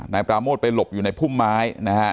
นายปราโมทไปหลบอยู่ในพุ่มไม้นะฮะ